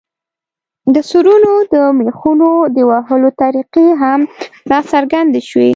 د سرونو د مېخونو د وهلو طریقې هم راڅرګندې شوې.